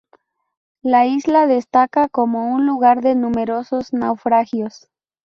La isla destaca como un lugar de numerosos naufragios.